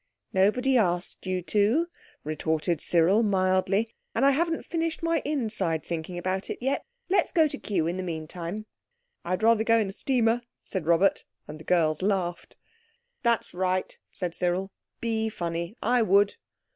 "Nobody asked you to," retorted Cyril mildly, "and I haven't finished my inside thinking about it yet. Let's go to Kew in the meantime." "I'd rather go in a steamer," said Robert; and the girls laughed. "That's right," said Cyril, "be funny. I would."